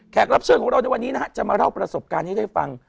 รับเชิญของเราในวันนี้นะฮะจะมาเล่าประสบการณ์นี้ได้ฟัง